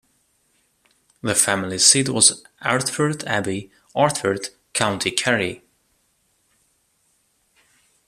The family seat was Ardfert Abbey, Ardfert, County Kerry.